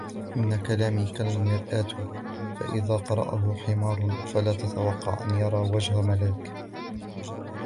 إن كلامي كالمرآة فإذا قرأهُ حمارٌ فلا تتوقع أن يرى وجه ملاك.